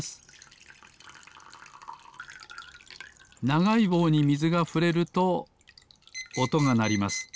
ながいぼうにみずがふれるとおとがなります。